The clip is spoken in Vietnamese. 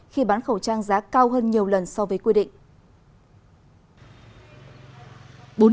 khi bán khẩu trang giá cao hơn nhiều lần so với quy định